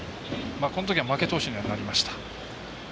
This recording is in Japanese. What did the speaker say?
このときは負け投手にはなりました。